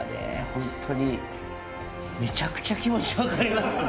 本当にめちゃくちゃ気持ちわかりますね